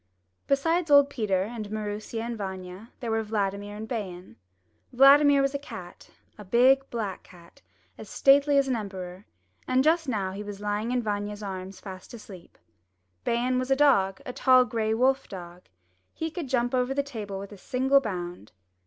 Besides old Peter and Maroosia and Vanya there were Vladimir and Bayan. Vladimir was a cat, a big black cat, as stately as an emperor, and just now he was lying in Vanya's arms fast asleep. Bayan was a dog, a tall gray wolf dog. He could jump over the table with a single bound.